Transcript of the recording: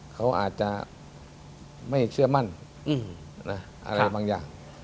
เขาอาจจะไม่เชื่อมั่นอะไรบางอย่าง